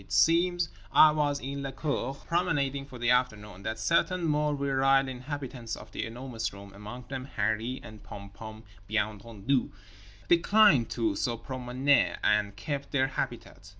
It seems (I was in la cour promenading for the afternoon) that certain more virile inhabitants of The Enormous Room, among them Harree and Pom Pom bien entendu, declined to se promener and kept their habitat.